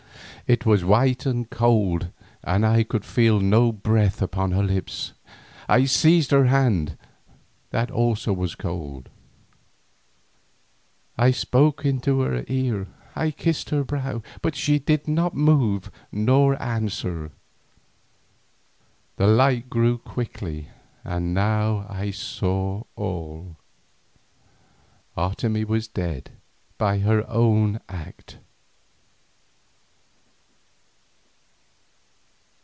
It was white and cold, and I could feel no breath upon her lips. I seized her hand, that also was cold. I spoke into her ear, I kissed her brow, but she did not move nor answer. The light grew quickly, and now I saw all. Otomie was dead, and by her own act.